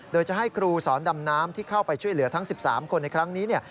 โดยจะให้ครูสอนดำน้ำที่เข้าไปช่วยเหลือทั้ง๑๓คนในครั้งนี้